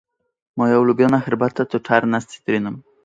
Moja ulubiona herbata to czarna z cytryną.